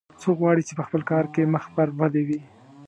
څوک غواړي چې په خپل کار کې مخ پر ودې وي